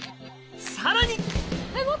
さらに！